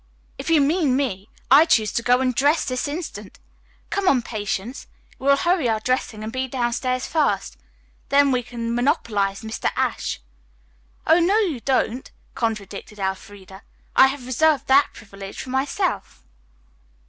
"If you mean me, I choose to go and dress this instant. Come on, Patience. We will hurry our dressing and be downstairs first. Then we can monopolize Mr. Ashe." "Oh, no, you won't," contradicted Elfreda. "I have reserved that privilege for myself."